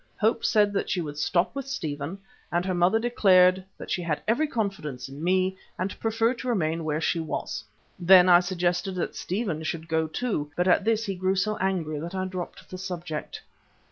Hope said that she would stop with Stephen, and her mother declared that she had every confidence in me and preferred to remain where she was. Then I suggested that Stephen should go too, but at this he grew so angry that I dropped the subject.